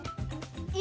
え！